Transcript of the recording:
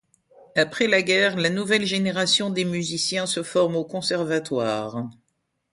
Après la guerre la nouvelle génération des musiciens se forme au conservatoire.